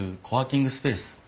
コワーキングスペース？